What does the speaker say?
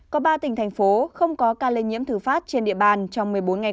có ba tỉnh thành phố không có ca lây nhiễm thử phát trên địa bàn trong một mươi bốn ngày